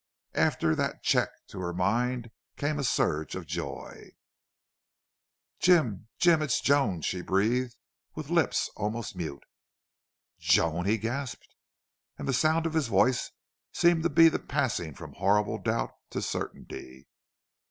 After that check to her mind came a surge of joy. "Jim!... Jim! It's Joan!" she breathed, with lips almost mute. "JOAN!" he gasped, and the sound of his voice seemed to be the passing from horrible doubt to certainty.